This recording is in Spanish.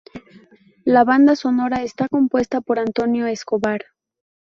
La banda sonora está compuesta por Antonio Escobar.